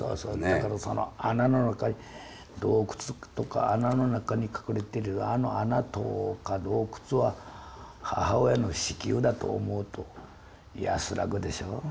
だから穴の中に洞窟とか穴の中に隠れてるあの穴とか洞窟は母親の子宮だと思うと安らぐでしょう。